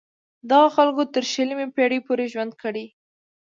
دغو خلکو تر شلمې پیړۍ پورې ژوند کړی.